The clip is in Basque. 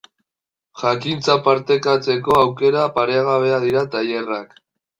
Jakintza partekatzeko aukera paregabea dira tailerrak.